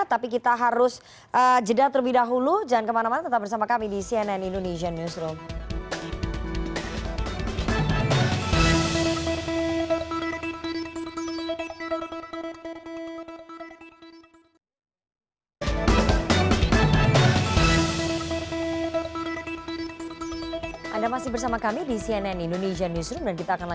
tapi kita harus jeda terlebih dahulu